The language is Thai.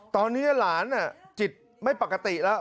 ตอนนี้หลานจิตไม่ปกติแล้ว